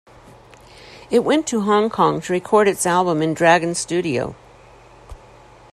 It went to Hong Kong to record its album in Dragon Studio.